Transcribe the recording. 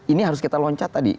ini harus kita loncat tadi